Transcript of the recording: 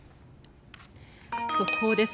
速報です。